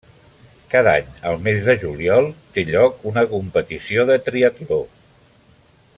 Cada any, al mes de juliol, té lloc una competició de triatló.